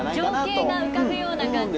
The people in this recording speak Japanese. ああ情景が浮かぶような感じ。